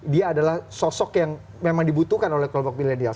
dia adalah sosok yang memang dibutuhkan oleh kelompok milenial